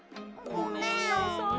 ごめんなさい。